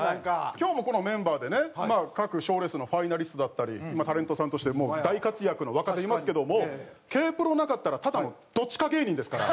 今日もこのメンバーでね各賞レースのファイナリストだったりタレントさんとしてもう大活躍の若手いますけどもＫ−ＰＲＯなかったらただのド地下芸人ですから。